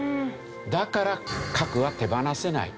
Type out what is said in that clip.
だから核は手放せない。